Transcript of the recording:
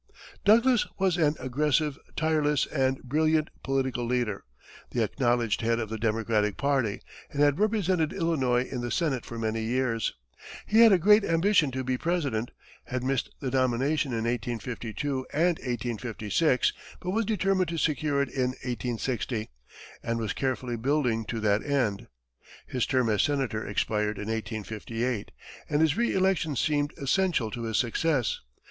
Douglas was an aggressive, tireless and brilliant political leader, the acknowledged head of the Democratic party, and had represented Illinois in the Senate for many years. He had a great ambition to be President, had missed the nomination in 1852 and 1856, but was determined to secure it in 1860, and was carefully building to that end. His term as senator expired in 1858, and his re election seemed essential to his success.